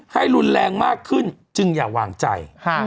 ให้รุนแรงมากขึ้นจึงอย่าวางใจ